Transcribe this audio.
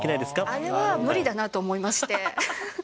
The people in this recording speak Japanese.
あれは無理だなと思いまして。